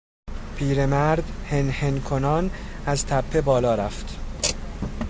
پیر مرد هنهن کنان از تپه بالا رفت.